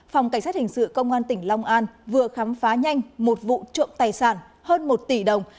phòng cảnh sát hình sự công an tỉnh long an vừa khám phá nhanh một vụ trộm tài sản hơn một tỷ đồng